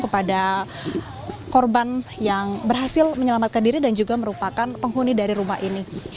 kepada korban yang berhasil menyelamatkan diri dan juga merupakan penghuni dari rumah ini